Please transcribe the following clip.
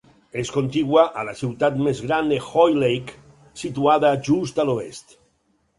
És contigua a la ciutat més gran de Hoylake, situada just a l'oest.